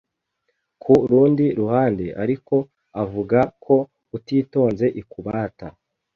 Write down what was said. Ku rundi ruhande ariko avuga ko utitonze ikubata